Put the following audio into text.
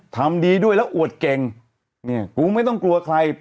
ทำดีด้วยแล้วอวดเก่งเนี่ยกูไม่ต้องกลัวใคร